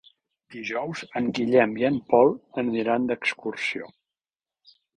Dijous en Guillem i en Pol aniran d'excursió.